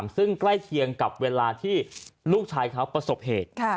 ซึ่งใกล้เคียงกับเวลาที่ลูกชายเขาประสบเหตุ